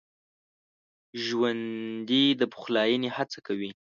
ژوندي د پخلاينې هڅه کوي